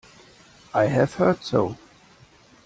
I have heard so.